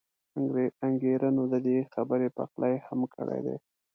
انګېرنو د دې خبرې پخلی هم کړی دی.